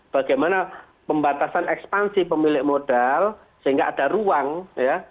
bagaimana pembatasan ekspansi pemilik modal sehingga ada ruang ya